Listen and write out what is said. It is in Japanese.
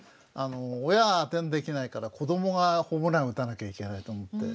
親は当てにできないから子どもがホームラン打たなきゃいけないと思って。